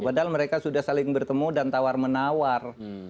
padahal mereka sudah saling bertemu dan tawar menawar